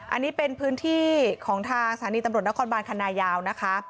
อันนี้เป็นพื้นที่ของทางสถานีตำรวจนครบานคันนายาวนะคะ